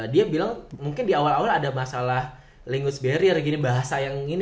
dia bilang mungkin di awal awal ada masalah language barrier bahasa yang ini nih spanyol sama ini